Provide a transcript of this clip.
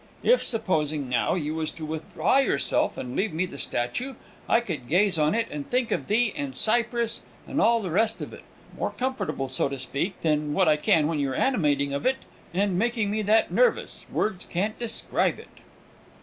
If, supposing now, you was to withdraw yourself and leave me the statue? I could gaze on it, and think of thee, and Cyprus, and all the rest of it, more comfortable, so to speak, than what I can when you're animating of it, and making me that nervous, words can't describe it!"